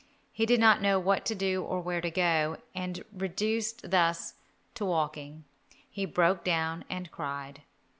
He did not know what to do or where to go, and reduced thus to walking, he broke down and cried.